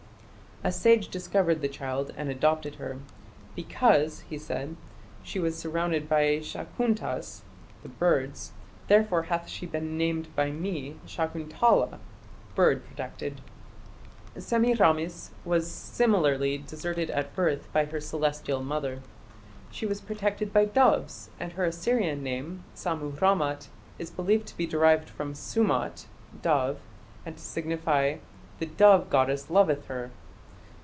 A sage discovered the child and adopted her. "Because", he said, "she was surrounded by Shakuntas (birds), therefore hath she been named by me Shakuntala (bird protected)." Semiramis was similarly deserted at birth by her Celestial mother. She was protected by doves, and her Assyrian name, Sammu rammat, is believed to be derived from "Summat" "dove", and to signify "the dove goddess loveth her".